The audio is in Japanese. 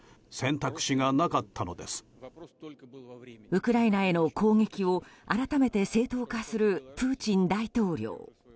ウクライナへの攻撃を改めて正当化するプーチン大統領。